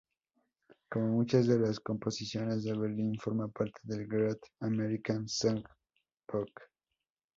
Como muchas de las composiciones de Berlín, forma parte del Great American Songbook.